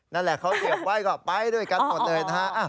นั่นแหละเขาเก็บไว้ก็ไปด้วยกันหมดเลยนะฮะ